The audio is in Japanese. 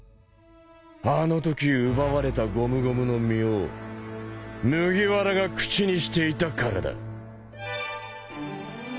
あのとき奪われたゴムゴムの実を麦わらが口にしていたからだ。